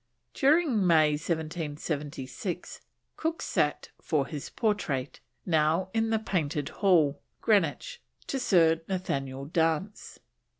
During May 1776 Cook sat for his portrait, now in the Painted Hall, Greenwich, to Sir Nathaniel Dance.